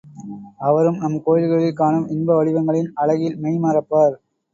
அவரும் நம் கோவில்களில் காணும் இன்பவடிவங்களின் அழகில் மெய் மறப்பார்.